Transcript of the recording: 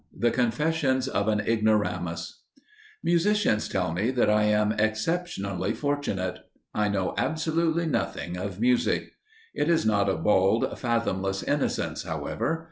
*The Confessions of an Ignoramus* Musicians tell me that I am exceptionally fortunate. I know absolutely nothing of music. It is not a bald, fathomless innocence, however.